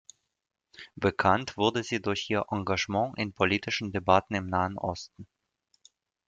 Bekannt wurde sie durch ihr Engagement in politischen Debatten im Nahen Osten.